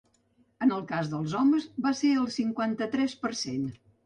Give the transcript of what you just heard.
En el cas dels homes, van ser el cinquanta-tres per cent.